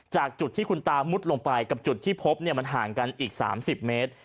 จากจุดที่คุณตามุดลงไปกับจุดที่พบมันห่างกันอีก๓๐เมตร